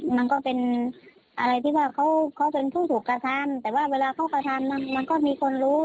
มันก็เป็นอะไรที่ว่าเขาเป็นผู้ถูกกระทำแต่ว่าเวลาเขากระทำมันก็มีคนรู้